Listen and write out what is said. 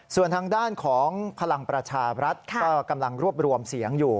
ส่วนทางด้านของพลังประชารัฐก็กำลังรวบรวมเสียงอยู่